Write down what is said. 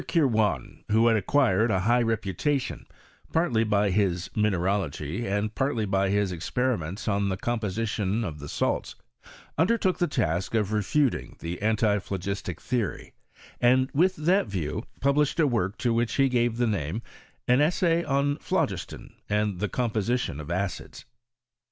Kirwan, who had acquired a high reputation^ partly by his mineralogy , and partly by his ex periments on the composition of the salts, under took the task of refuting the antiphlogistic theory, and with that view published a work to which he gave the name of '' An Essay on Phlogiston and the Composition of Acids."